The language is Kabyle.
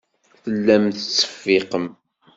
Tellam tettseffiqem.